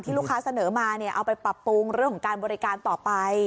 ลูกค้าเสนอมาเอาไปปรับปรุงเรื่องของการบริการต่อไป